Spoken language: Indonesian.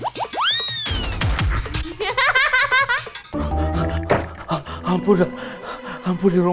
saya udah gitu dong